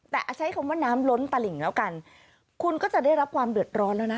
แต่ใช้คำว่าน้ำล้นตลิ่งแล้วกันคุณก็จะได้รับความเดือดร้อนแล้วนะ